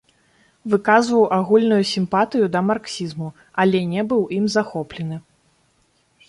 Выказваў агульную сімпатыю да марксізму, але не быў ім захоплены.